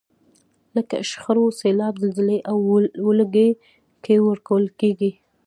لکه شخړو، سیلاب، زلزلې او ولږې کې ورکول کیږي.